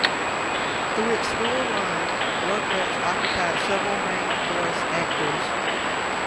Through its full run, "Rugrats" occupied several main voice actors.